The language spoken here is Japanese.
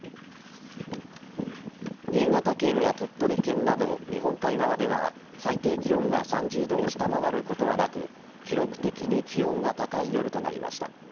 新潟県や鳥取県など日本海側では最低気温が３０度を下回ることはなく記録的に気温が高い夜となりました。